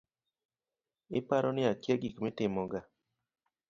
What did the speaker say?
Iparo ni akia gik mitimoga